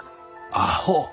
アホ。